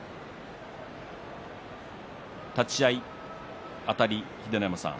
立ち合い、あたり、秀ノ山さん